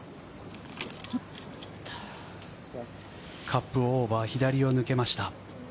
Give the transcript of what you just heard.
カップオーバー左を抜けました。